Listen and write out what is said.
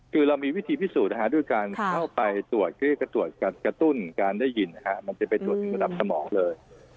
คือเรามีวิธีพิสูจน์ด้วยการเข้าไปตรวจกระตุ้นการได้ยินมันจะไปตรวจถึงระดับสมองเลย